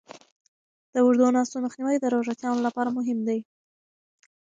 د اوږدو ناستو مخنیوی د روژهتیانو لپاره مهم دی.